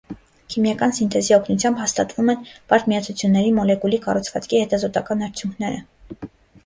Քիմիական սինթեզի օգնությամբ հաստատվում են բարդ միացությունների մոլեկուլի կառուցվածքի հետազոտման արդյունքները։